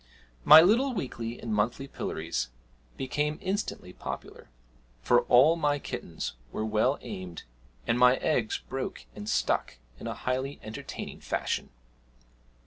My little weekly and monthly pillories became instantly popular, for all my kittens were well aimed, and my eggs broke and stuck in a highly entertaining fashion.